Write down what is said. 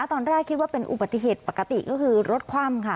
ตอนแรกคิดว่าเป็นอุบัติเหตุปกติก็คือรถคว่ำค่ะ